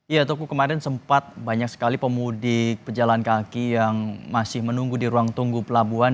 ya toko kemarin sempat banyak sekali pemudik pejalan kaki yang masih menunggu di ruang tunggu pelabuhan